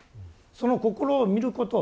その心を見ること